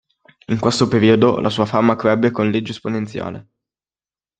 In questo periodo la sua fama crebbe con legge esponenziale.